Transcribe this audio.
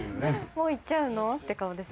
もう行っちゃうのって顔ですね。